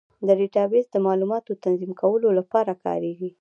ډیټابیس د معلوماتو تنظیم کولو لپاره کارېږي.